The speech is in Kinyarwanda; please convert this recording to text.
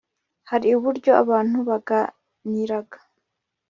hari uburyo abantu baganiraga